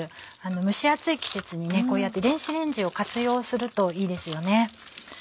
蒸し暑い季節にこうやって電子レンジを活用するといいですよね。